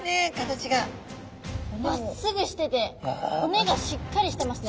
まっすぐしてて骨がしっかりしてますね。